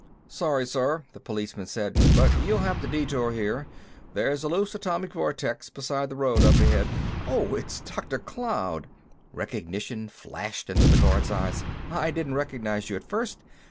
"Sorry, sir," the policeman said, "but you'll have to detour here. There's a loose atomic vortex beside the road up ahead— "Oh! It's Dr. Cloud!" Recognition flashed into the guard's eyes. "I didn't recognize you at first.